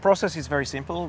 prosesnya sangat sederhana